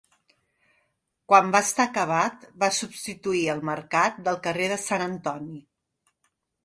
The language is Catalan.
Quan va estar acabat va substituir el mercat del carrer de Sant Antoni.